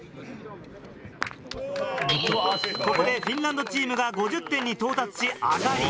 ここでフィンランドチームが５０点に到達し上がり。